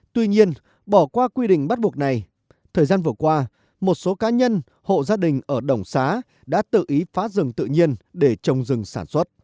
tuy nhiên bỏ qua quy định bắt buộc này thời gian vừa qua một số cá nhân hộ gia đình ở đồng xá đã tự ý phá rừng tự nhiên để trồng rừng sản xuất